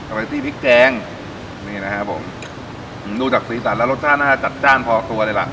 กำลังที่พริกแจงนี่นะครับผมอืมดูจากสีตัดแล้วรสชาติน่าจะจัดจ้านพอตัวเลยล่ะ